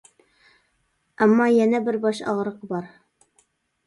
ئەمما يەنە بىر باش ئاغرىقى بار.